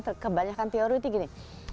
dan kebanyakan teori itu gini